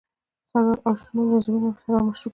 سره او شنه یې وزرونه سره مشوکه